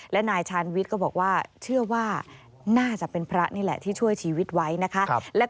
และนายชานวิทย์ก็บอกว่าเชื่อว่าน่าจะเป็นพระนี่แหละ